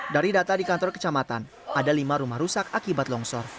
dari data di kantor kecamatan ada lima rumah rusak akibat longsor